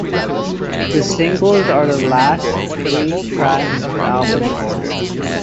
The singles are the last three tracks of the album in order.